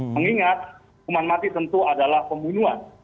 karena hukuman mati tentu adalah pembunuhan